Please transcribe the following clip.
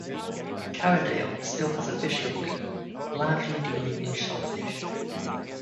Carradale still has a fishing fleet, - largely dealing in shellfish.